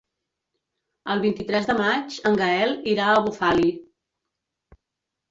El vint-i-tres de maig en Gaël irà a Bufali.